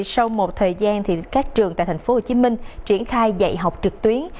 sau một thời gian các trường tại tp hcm triển khai dạy học trực tuyến